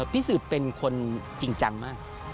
พี่สืบเป็นคนจริงจังมาก